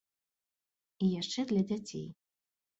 І яшчэ для дзяцей.